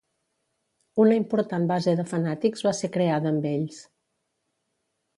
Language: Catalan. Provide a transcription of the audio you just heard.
Una important base de fanàtics va ser creada amb ells.